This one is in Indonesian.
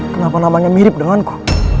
kenapa namanya mirip denganku